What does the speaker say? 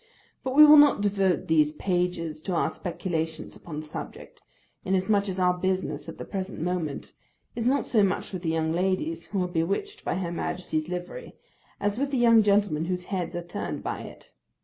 But we will not devote these pages to our speculations upon the subject, inasmuch as our business at the present moment is not so much with the young ladies who are bewitched by her Majesty's livery as with the young gentlemen whose heads are turned by it.